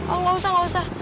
oh gak usah gak usah